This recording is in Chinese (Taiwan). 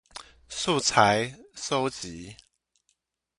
素材蒐集